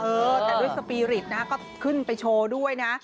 เออแต่ด้วยสปีริตนะก็ขึ้นไปโชว์ด้วยนะ